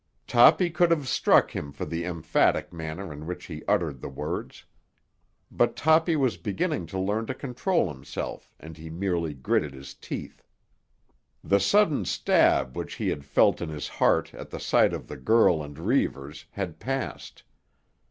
Toppy could have struck him for the emphatic manner in which he uttered the words. But Toppy was beginning to learn to control himself and he merely gritted his teeth. The sudden stab which he had felt in his heart at the sight of the girl and Reivers had passed.